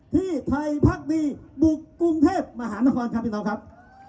ที่ไทยภักดีบุกกรุงเทพมหานครพินทร์ครับ